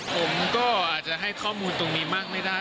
ผมก็อาจจะให้ข้อมูลตรงนี้มากไม่ได้